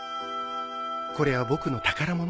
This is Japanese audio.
これは僕の宝物さ。